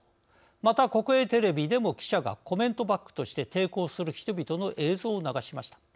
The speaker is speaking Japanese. また国営テレビでも記者がコメントバックとして抵抗する人々の映像を流しました。